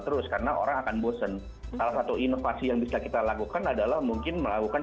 terus karena orang akan bosen salah satu inovasi yang bisa kita lakukan adalah mungkin melakukan